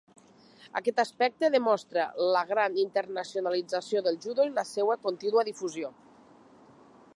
Aquest aspecte demostra la gran internacionalització del judo i la seva contínua difusió.